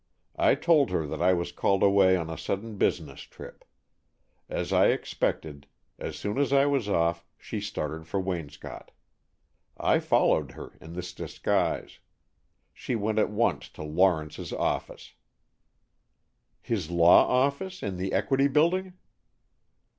I told her that I was called away on a sudden business trip. As I expected, as soon as I was off, she started for Waynscott. I followed her, in this disguise. She went at once to Lawrence's office, " "His law office, in the Equity Building?"